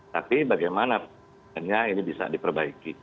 tapi bagaimana ini bisa diperbaiki